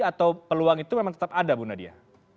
atau peluang itu memang tetap ada bu nadia